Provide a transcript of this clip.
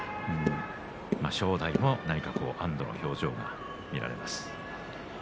正代も何か安どの表情が見られます。